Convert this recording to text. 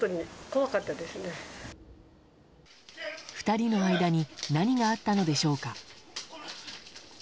２人の間に何があったのでしょうか。